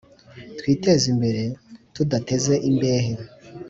twiteze imbere tudateze imbehe